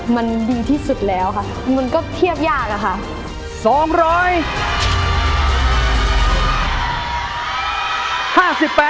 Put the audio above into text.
มันดีที่สุดแล้วค่ะมันก็เทียบยากอะค่ะ